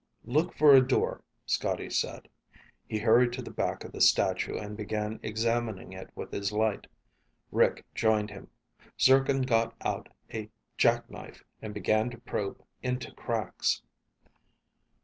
"Look for a door," Scotty said. He hurried to the back of the statue and began examining it with his light. Rick joined him. Zircon got out a jackknife and began to probe into cracks.